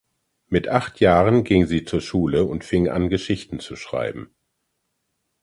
Mit acht Jahren ging sie zur Schule und fing an Geschichten zu schreiben.